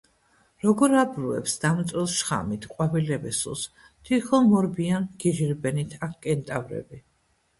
როგორ აბრუებს დამწველ შხამით ყვავილების სულს? თითქო მორბიან გიჟირბენით აქ კენტავრები